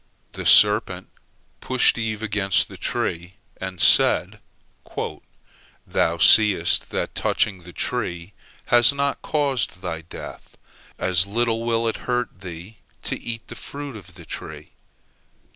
The serpent pushed Eve against the tree, and said: "Thou seest that touching the tree has not caused thy death. As little will it hurt thee to eat the fruit of the tree.